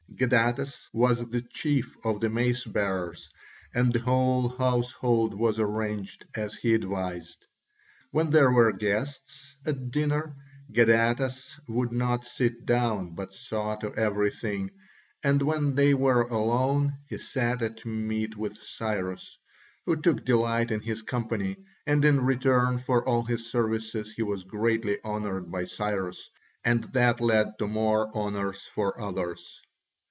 Gadatas was the chief of the mace bearers, and the whole household was arranged as he advised. When there were guests at dinner, Gadatas would not sit down, but saw to everything, and when they were alone he sat at meat with Cyrus, who took delight in his company, and in return for all his services he was greatly honoured by Cyrus and that led to more honours for others.